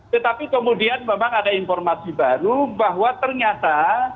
tetapi kemudian memang ada informasi baru bahwa ternyata